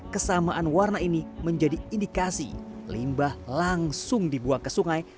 kesamaan warna ini menjadi indikasi limbah langsung dibuang ke sungai